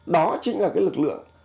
đó chính là cái lực lượng